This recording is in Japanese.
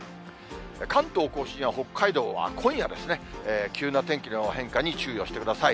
関東甲信や北海道は今夜ですね、急な天気の変化に注意をしてください。